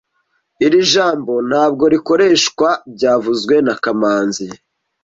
Iri jambo ntabwo rikoreshwa byavuzwe na kamanzi